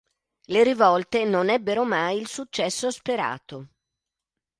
Le rivolte non ebbero mai il successo sperato.